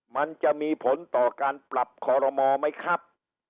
มันจะมีผลต่อการปรับคอรมอไหมครับ